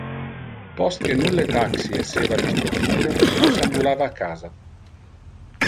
Post que nulle taxi esseva disponibile, nos ambulava a casa.